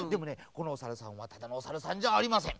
このおさるさんはただのおさるさんじゃありません。